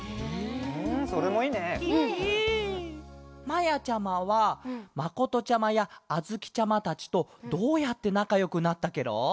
まやちゃまはまことちゃまやあづきちゃまたちとどうやってなかよくなったケロ？